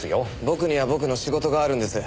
僕には僕の仕事があるんです。